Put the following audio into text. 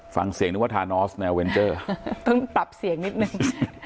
ฟังเสียงนึกว่าทานอสแนวเวนเจอร์ต้องปรับเสียงนิดนึง